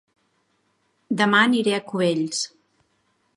Dema aniré a Cubells